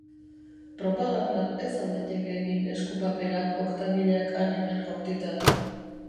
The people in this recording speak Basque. Propaganda ez al daiteke egin esku-paperak, oktabillak han-hemen jaurtita?